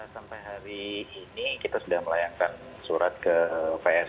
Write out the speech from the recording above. sampai hari ini kita sudah melayangkan surat ke pssi